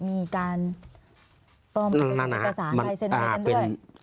มีการปลอมในภาษาไทยเสนอให้กันด้วย